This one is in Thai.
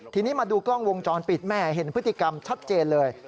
ทีนี้มาดูกล้องวงจรปิดแม่เห็นพฤติกรรมชัดเจนเลย